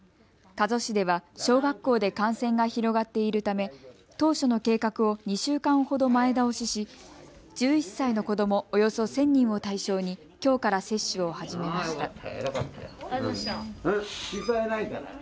加須市では小学校で感染が広がっているため、当初の計画を２週間ほど前倒しし１１歳の子どもおよそ１０００人を対象にきょうから接種を始めました。